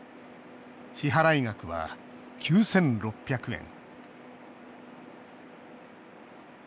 支払い額は９６００円